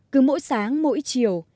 cứ mỗi sáng mỗi chiều